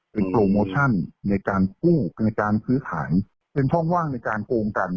เป็นโปรโมชั่นในการกู้ในการซื้อขายเป็นช่องว่างในการโกงกัน